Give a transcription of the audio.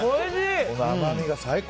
この甘みが最高。